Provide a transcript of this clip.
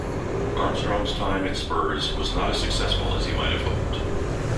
Armstrong's time at Spurs was not as successful as he might have hoped.